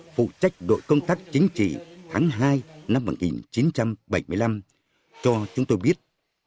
phụ trách đội công tác chính trị tháng hai năm một nghìn chín trăm bảy mươi năm cho chúng tôi biết